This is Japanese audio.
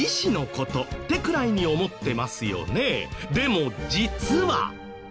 でも実は。